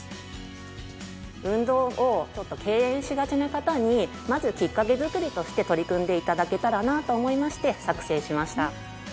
運動をちょっと敬遠しがちな方にまずきっかけづくりとして取り組んで頂けたらなと思いまして作成しました。